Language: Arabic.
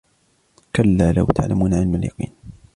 كَلَّا لَوْ تَعْلَمُونَ عِلْمَ الْيَقِينِ